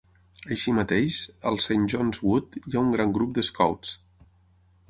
Així mateix, al Saint Johns Wood hi ha un gran grup de "scouts".